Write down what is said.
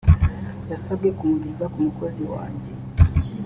yasabwe kumugeza ku mukozi wanjye